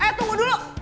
eh eh tunggu dulu